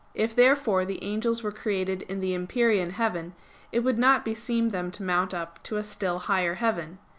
If therefore the angels were created in the empyrean heaven, it would not beseem them to mount up to a still higher heaven.